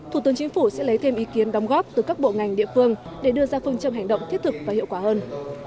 thủ tướng chính phủ sẽ lấy thêm ý kiến đóng góp từ các bộ ngành địa phương để đưa ra phương châm hành động thiết thực và hiệu quả hơn